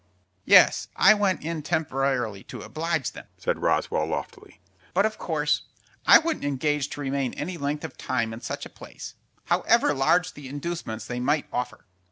"Yes, I went in temporarily to oblige them," said Roswell, loftily; "but, of course, I wouldn't engage to remain any length of time in such a place, however large the inducements they might offer."